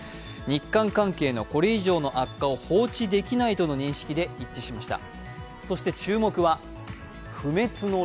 日韓関係のこれ以上の悪化を放置できないとの認識で一致しました。